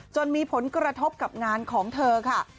มีผลกระทบกับงานของเธอค่ะ